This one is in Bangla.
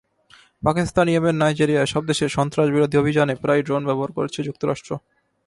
পাকিস্তান, ইয়েমেন, নাইজেরিয়া—এসব দেশে সন্ত্রাসবিরোধী অভিযানে প্রায়ই ড্রোন ব্যবহার করছে যুক্তরাষ্ট্র।